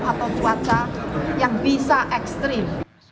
atau cuaca yang bisa ekstrim